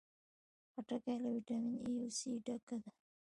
خټکی له ویټامین A او C ډکه ده.